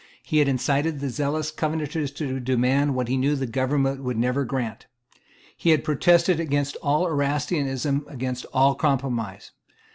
He had incited the zealous Covenanters to demand what he knew that the government would never grant. He had protested against all Erastianism, against all compromise.